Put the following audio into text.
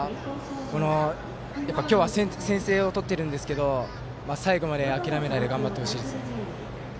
今日は先制を取っているんですが最後まで諦めないで頑張ってほしいです。